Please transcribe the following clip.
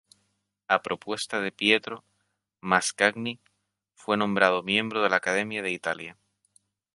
A propuesta de Pietro Mascagni fue nombrado miembro de la Accademia d'Italia.